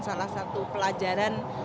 salah satu pelajaran